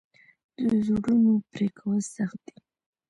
د زړو ونو پرې کول سخت دي؟